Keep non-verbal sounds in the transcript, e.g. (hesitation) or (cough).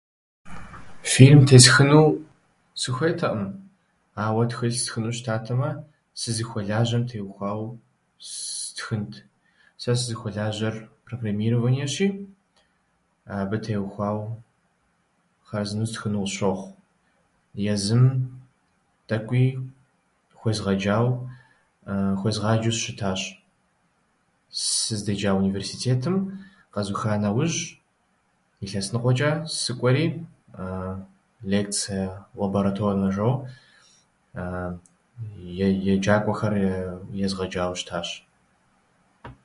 Филм тесхыну сыхуейтэӏым, ауэ тхылъ стхыну щытатэмэ, сызыхуэлажьэм теухауэ сстхынт. Сэ сызыхуэлажьэр программированиещи, абы теухуауэ хъарзынэу стхыну къысщохъу. Езым тӏэкӏуи хуезгъэаджау- хуезгъаджэу сыщытащ. Сыздеджа университетым къэзыуха нэужь илъэс ныкъуэчӏэ сыкӏуэри (hesitation) лекция лабораторнэ жоуэ (hesitation) е- еджакӏуэхэр езгъэджауэ щытащ.